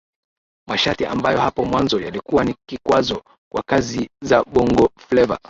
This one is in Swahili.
Masharti ambayo hapo mwanzo yalikuwa ni kikwazo kwa kazi za bongofleva